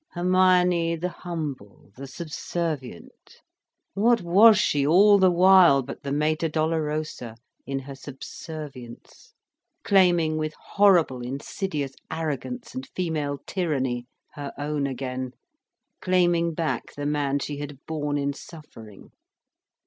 Hermione, the humble, the subservient, what was she all the while but the Mater Dolorosa, in her subservience, claiming with horrible, insidious arrogance and female tyranny, her own again, claiming back the man she had borne in suffering.